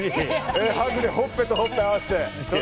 ハグでほっぺとほっぺを合わせて。